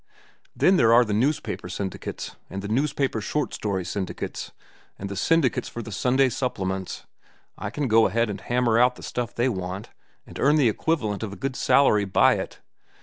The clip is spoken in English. Then there are the newspaper syndicates, and the newspaper short story syndicates, and the syndicates for the Sunday supplements. I can go ahead and hammer out the stuff they want, and earn the equivalent of a good salary by it.